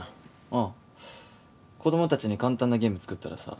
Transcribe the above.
ああ子供達に簡単なゲーム作ったらさ